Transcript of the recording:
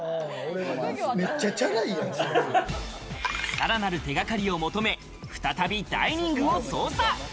さらなる手掛かりを求め、再びダイニングを捜査。